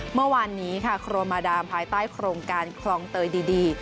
เมื่อวานนี้ค่ะครัวมาดามภายใต้โครงการคลองเตยดี